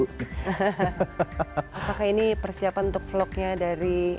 apakah ini persiapan untuk vlognya dari